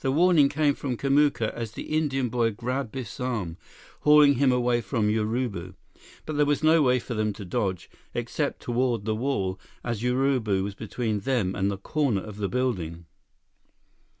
The warning came from Kamuka as the Indian boy grabbed Biff's arm, hauling him away from Urubu. But there was no way for them to dodge, except toward the wall, as Urubu was between them and the corner of the building.